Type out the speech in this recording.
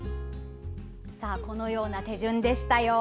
このような手順でしたよ。